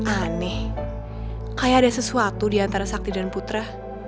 aneh kayak ada sesuatu diantara sakti dan putra